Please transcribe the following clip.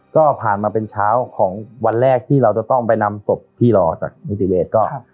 ก็ผ่านมาเป็นเช้าของวันแรกที่เราจะต้องไปนำศพพี่รอจากนิติเวศก็